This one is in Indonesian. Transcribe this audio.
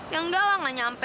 ya enggak lah nggak nyampe